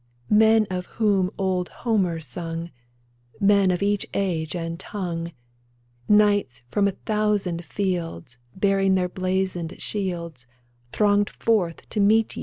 Men whom old Homer sung, Men of each age and tongue. Knights from a thousand fields Bearing their blazoned shields Thronged forth to meet ye